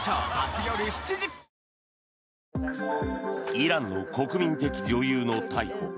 イランの国民的女優の逮捕。